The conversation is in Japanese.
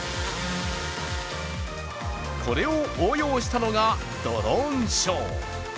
これを応用したのがドローンショー。